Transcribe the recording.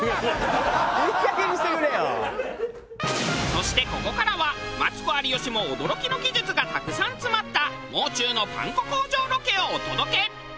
そしてここからはマツコ有吉も驚きの技術がたくさん詰まったもう中のパン粉工場ロケをお届け。